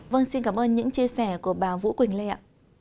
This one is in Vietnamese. vâng xin cảm ơn những chia sẻ của bà vũ quỳnh lê ạ